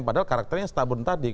padahal karakternya yang stubborn tadi